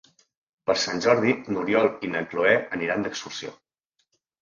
Per Sant Jordi n'Oriol i na Cloè aniran d'excursió.